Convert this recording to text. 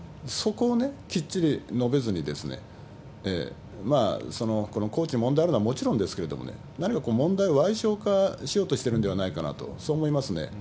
そこをきっちり述べずに、このコーチに問題があるのはもちろんですけれどもね、何か問題を矮小化しようとしてるんではないかと、そう思いますね。